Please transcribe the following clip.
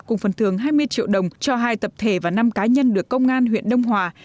cùng phần thường hai mươi triệu đồng cho hai tập thể và năm cá nhân được công an huyện đông hòa